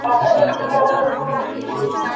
যার প্রেমে তুমি পড়েছিলে।